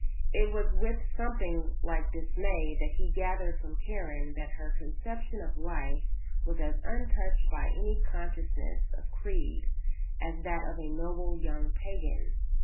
It was with something like dismay that he gathered from Karen that her conception of life was as untouched by any consciousness of creed as that of a noble young pagan.